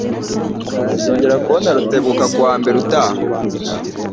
Nzongera kubona Rutebuka kuwa mbere utaha.